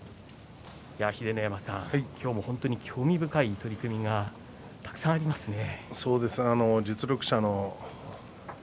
秀ノ山さん、今日も本当に興味深い取組がたくさんありますね。